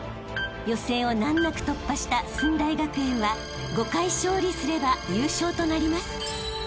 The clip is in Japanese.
［予選を難なく突破した駿台学園は５回勝利すれば優勝となります］